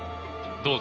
どうぞ。